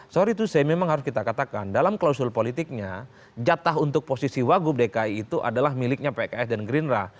sorry to say memang harus kita katakan dalam klausul politiknya jatah untuk posisi wagub dki itu adalah miliknya pks dan gerindra